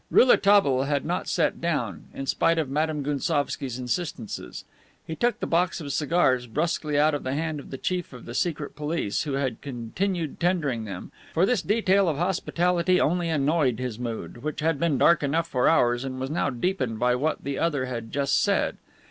Rouletabille had not sat down, in spite of Madame Gounsovski's insistences. He took the box of cigars brusquely out of the hand of the Chief of the Secret Service, who had continued tendering them, for this detail of hospitality only annoyed his mood, which had been dark enough for hours and was now deepened by what the other had just said.